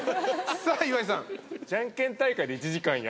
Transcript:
さあ岩井さん。